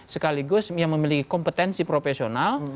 sekaligus yang memiliki kompetensi profesional